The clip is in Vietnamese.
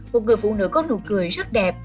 một người phụ nữ có nụ cười rất đẹp